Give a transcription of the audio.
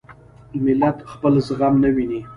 ملت خپل زخم نه ویني.